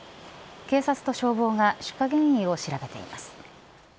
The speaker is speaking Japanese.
警察と消防が出火原因を調べています。